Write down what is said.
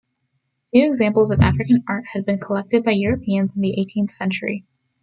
Few examples of African art had been collected by Europeans in the eighteenth century.